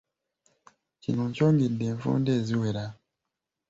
Kino nkyogedde enfunda eziwera